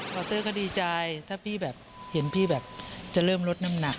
วาวเตอร์ก็ดีใจถ้าเห็นพี่แบบจะเริ่มลดน้ำหนัก